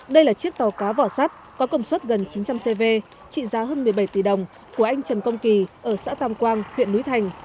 đây là chiếc tàu cá vỏ sắt có công suất gần chín trăm linh cv trị giá hơn một mươi bảy tỷ đồng của anh trần công kỳ ở xã tam quang huyện núi thành